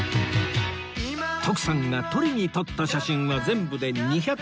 徳さんが撮りに撮った写真は全部で２０９枚